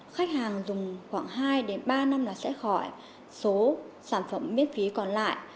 khách hàng dùng khoảng hai đến ba năm là sẽ khỏi số sản phẩm miễn phí còn lại